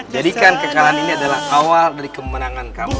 jadikan kekalahan ini adalah awal dari kemenangan kamu